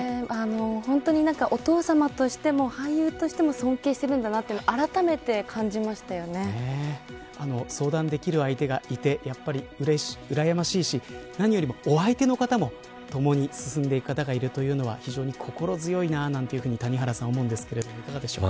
本当に、お父さまとしても俳優としても尊敬してるんだなというのを相談できる相手がいてやっぱりうらやましいし何よりも、お相手の方も共に進んでいく方がいるというのは非常に心強いななんて思うんですが、いかがでしょうか。